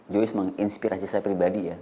joyce menginspirasi saya pribadi ya